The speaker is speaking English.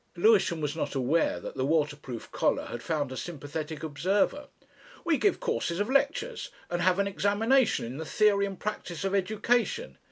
Lewisham was not aware that the waterproof collar had found a sympathetic observer. "We give courses of lectures, and have an examination in the theory and practice of education.